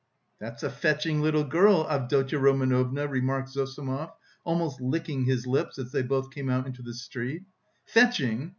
"That's a fetching little girl, Avdotya Romanovna," remarked Zossimov, almost licking his lips as they both came out into the street. "Fetching?